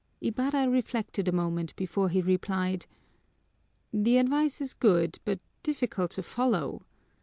Ibarra reflected a moment before he replied: "The advice is good, but difficult to follow.